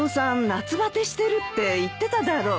夏バテしてるって言ってただろ？